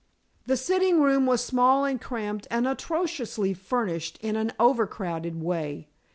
The sitting room was small and cramped, and atrociously furnished in an overcrowded way.